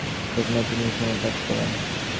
তিনি জার্মান পক্ষে একটি কুটনৈতিক মিশনে কাজ করেন।